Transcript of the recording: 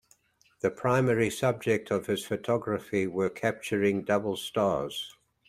The primary subject of his photography were capturing double stars.